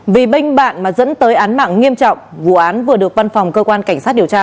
vì bên bạn mà dẫn tới án mạng nghiêm trọng vụ án vừa được văn phòng cơ quan cảnh sát điều tra